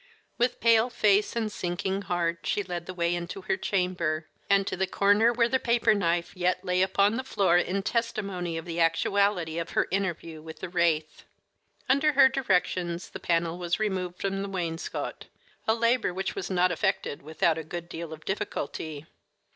With pale face and sinking heart she led the way into her chamber, and to the corner where the paper knife yet lay upon the floor in testimony of the actuality of her interview with the wraith. Under her directions the panel was removed from the wainscot, a labor which was not effected without a good deal of difficulty.